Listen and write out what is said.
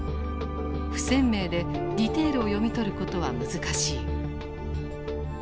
不鮮明でディテールを読み取ることは難しい。